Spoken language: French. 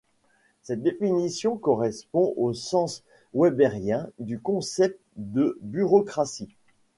Cette définition correspond au sens wébérien du concept de bureaucratie.